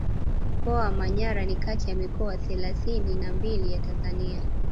Mkoa wa Manyara ni kati ya mikoa thelathini na mbili ya Tanzania